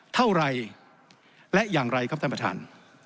เท่าไรและอย่างไรครับท่านประธาน